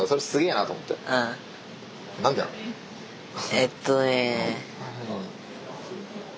えっとね。